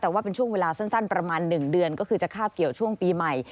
แต่ว่าเป็นช่วงเวลาสั้นประมาณ๑เดือนก็คือจะคาบเกี่ยวช่วงปีใหม่